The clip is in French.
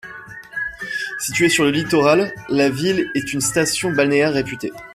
Située sur le littoral, la ville est une station balnéaire reputée.